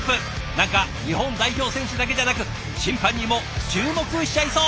何か日本代表選手だけじゃなく審判にも注目しちゃいそう。